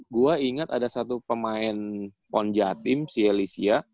gua inget ada satu pemain ponja tim si elysia